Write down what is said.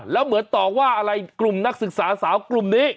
แล้วเหมือนต่อว่าอะไรกลุ่มนักศึกษาสาวกลุ่มนี้